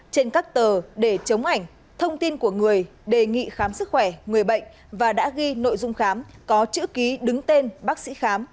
trên các tờ để chống ảnh thông tin của người đề nghị khám sức khỏe người bệnh và đã ghi nội dung khám có chữ ký đứng tên bác sĩ khám